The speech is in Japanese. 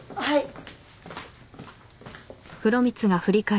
はい。